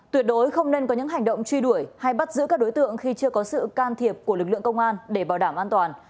tuyệt đối không nên có những hành động truy đuổi hay bắt giữ các đối tượng khi chưa có sự can thiệp của lực lượng công an để bảo đảm an toàn